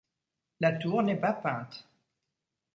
La tour n'est pas peinte.